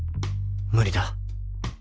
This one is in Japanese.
無理だ。